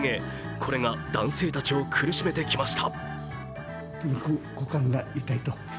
これが男性たちを苦しめてきました。